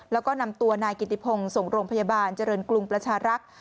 แล้วก็นำตัวนายกิติพงศ์ส่งโรงพยาบาลเจริญกรุงประชารักษ์